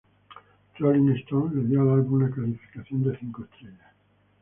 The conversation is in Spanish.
Rolling Stone le dio al álbum una calificación de cinco estrellas.